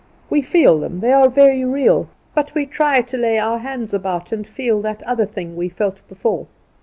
We feel them; they are very real. But we try to lay our hands about and feel that other thing we felt before.